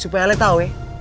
supaya alek tau ya